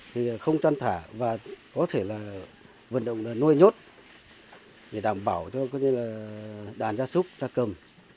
thì không chăn thả và có thể là vận động nuôi nhốt để đảm bảo cho đàn ra súc ra cầm